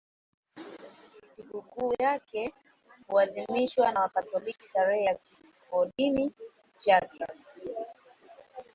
Sikukuu yake huadhimishwa na Wakatoliki tarehe ya kifodini chake.